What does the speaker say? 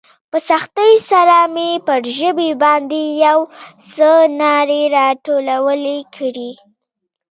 په سختۍ سره مې پر ژبې باندې يو څه ناړې راټولې کړې.